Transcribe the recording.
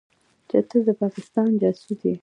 چې ته د پاکستان جاسوس يې.